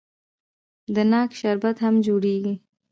د ناک شربت هم جوړیږي.